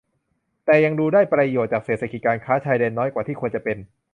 แต่ยังดูได้ประโยชน์จากเศรษฐกิจการค้าชายแดนน้อยกว่าที่ควรจะเป็น